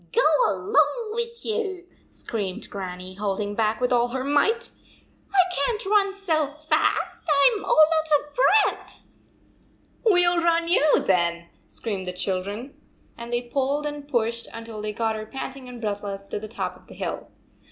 " Go along with you," screamed Gran nie, holding back, with all her might. " I can t run so fast; I am all out of breath." 156 "We ll run you, then," screamed the children, and they pulled and pushed until they got her panting and breathless to the top of the hill.